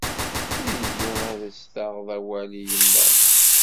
Tili ad as-taɣed awal i yemma-m.